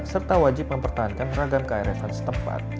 serta wajib mempertahankan ragam kearifan setempat